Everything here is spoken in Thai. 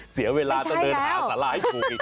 เสียเวลาต้องเดินหาตาราให้ผล